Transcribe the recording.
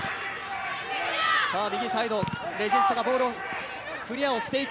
右サイド、レジスタがボールをクリアをしていく。